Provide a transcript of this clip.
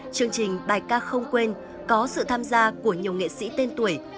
chương trình bài ca không quên có sự tham gia của nhiều nghệ sĩ tên tuổi